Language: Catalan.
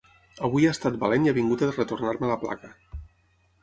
Avui ha estat valent i ha vingut a retornar-me la placa.